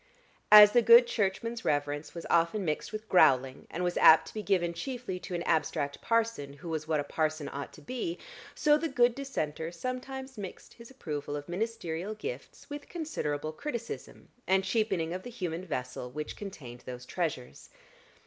As the good Churchman's reverence was often mixed with growling, and was apt to be given chiefly to an abstract parson who was what a parson ought to be, so the good Dissenter sometimes mixed his approval of ministerial gifts with considerable criticism and cheapening of the human vessel which contained those treasures.